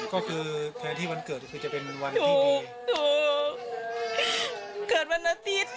ก็คือเทียบวันนัทธิตก็คือจะเป็นวันที่ดี